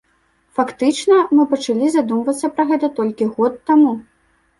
Фактычна, мы пачалі задумвацца пра гэта толькі год таму!